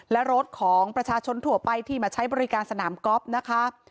และรถของประชาชนทั่วไปที่มาใช้บริการสนามกอล์ฟนะคะ